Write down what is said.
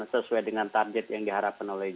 sesuai dengan target yang diharapkan oleh